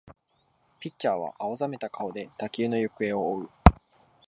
ピッチャーは青ざめた顔で打球の行方を追う